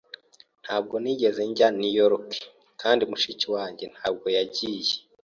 Ntabwo nigeze njya i New York, kandi mushiki wanjye ntabwo yagiye.